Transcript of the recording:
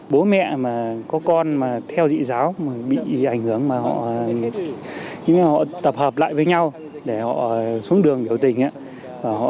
bố mẹ có con theo dị giáo bị ảnh hưởng họ tập hợp lại với nhau để họ xuống đường biểu tình